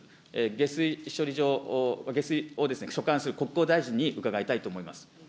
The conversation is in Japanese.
下水処理場、下水をですね、所管する国交大臣に伺いたいと思います。